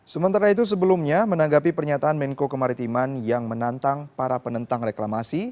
sementara itu sebelumnya menanggapi pernyataan menko kemaritiman yang menantang para penentang reklamasi